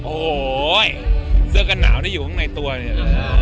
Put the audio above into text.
โอ้โหเสื้อกันหนาวนี่อยู่ข้างในตัวเนี่ย